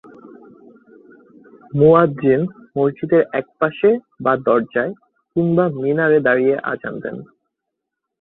মুআয্যিন মসজিদের এক পাশে বা দরজায় কিংবা মিনারে দাঁড়িয়ে আযান দেন।